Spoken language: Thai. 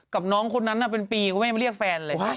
กับน้องคนนั้นเป็นปีคุณแม่มาเรียกแฟนเลย